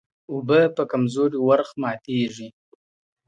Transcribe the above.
¬ اوبه په کمزورې ورخ ماتېږي.